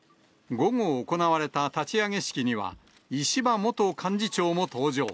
午後行われた立ち上げ式には、石破元幹事長も登場。